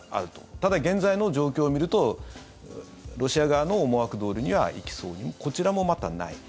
ただ、現在の状況を見るとロシア側の思惑どおりにはいきそうにもこちらもまたない。